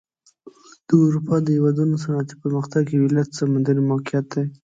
د اروپا د هېوادونو صنعتي پرمختګ یو علت سمندري موقعیت دی.